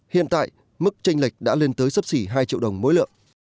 hiện tại mức tranh lệch đã lên tới sấp xỉ hai triệu đồng mỗi lượng